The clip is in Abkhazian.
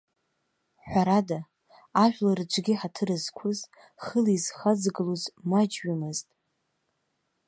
Ҳәарада, ажәлар рҿгьы ҳаҭыр зқәыз, хыла изхаҵгылоз маҷҩымызт.